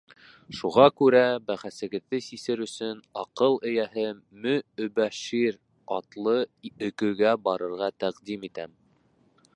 Шуға күрә бәхәсегеҙҙе сисер өсөн аҡыл эйәһе Мө-Обәшир атлы өкөгә барырға тәҡдим итәм.